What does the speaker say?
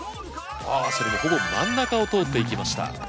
ああそれもほぼ真ん中を通っていきました。